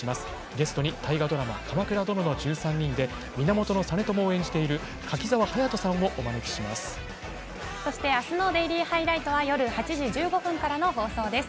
ゲストに大河ドラマ「鎌倉殿の１３人」で源実朝を演じている柿澤勇人さんをそして明日の「デイリーハイライト」は８時１５分からの放送です。